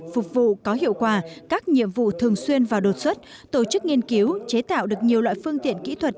phục vụ có hiệu quả các nhiệm vụ thường xuyên và đột xuất tổ chức nghiên cứu chế tạo được nhiều loại phương tiện kỹ thuật